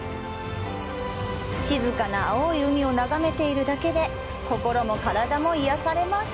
静かな青い海を眺めているだけで心も体も癒やされます。